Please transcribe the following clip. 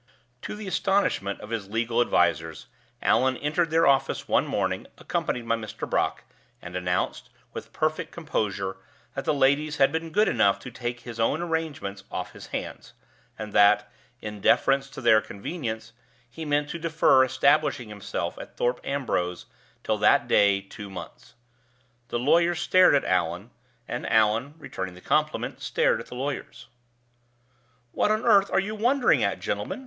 To the astonishment of his legal advisers, Allan entered their office one morning, accompanied by Mr. Brock, and announced, with perfect composure, that the ladies had been good enough to take his own arrangements off his hands, and that, in deference to their convenience, he meant to defer establishing himself at Thorpe Ambrose till that day two months. The lawyers stared at Allan, and Allan, returning the compliment, stared at the lawyers. "What on earth are you wondering at, gentlemen?"